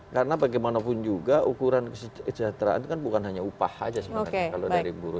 karena bagaimanapun juga ukuran kesejahteraan kan bukan hanya upah saja sebenarnya kalau dari buruh